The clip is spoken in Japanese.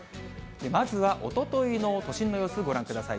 まずはおとといの都心の様子ご覧ください。